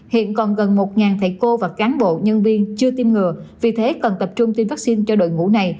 hiện còn gần một thầy cô và cán bộ nhân viên chưa tiêm ngừa vì thế cần tập trung tiêm vaccine cho đội ngũ này